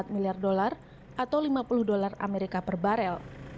empat miliar dolar atau lima puluh dolar amerika per barel